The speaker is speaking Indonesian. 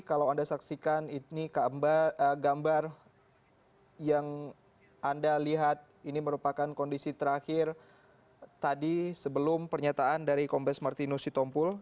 kalau anda saksikan ini gambar yang anda lihat ini merupakan kondisi terakhir tadi sebelum pernyataan dari kombes martinus sitompul